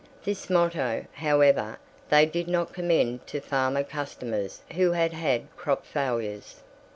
This motto, however, they did not commend to farmer customers who had had crop failures.